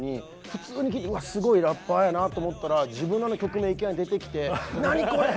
普通に聴いてすごいラッパーやなと思ったら自分らの曲名いきなり出てきて「何これ！？」